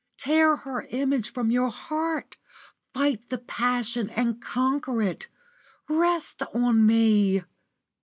Tear her image from your heart! Fight the passion and conquer it. Rest on me!"